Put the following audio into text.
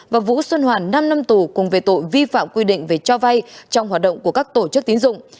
và vũ xuân hoàn năm năm tù cùng về tội vi phạm quy định về cho vay trong hoạt động của các tổ chức tín dụng